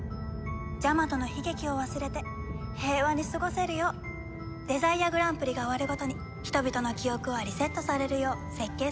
ジャマトの悲劇を忘れて平和に過ごせるようデザイアグランプリが終わるごとに人々の記憶はリセットされるよう設計されているのです。